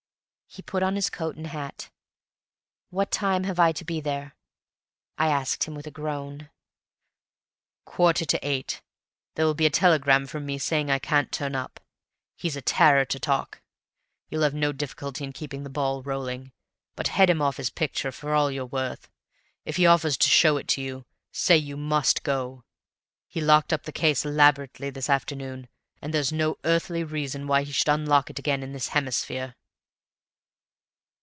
He put on his coat and his hat. "What time have I to be there?" I asked him, with a groan. "Quarter to eight. There will be a telegram from me saying I can't turn up. He's a terror to talk, you'll have no difficulty in keeping the ball rolling; but head him off his picture for all you're worth. If he offers to show it to you, say you must go. He locked up the case elaborately this afternoon, and there's no earthly reason why he should unlock it again in this hemisphere."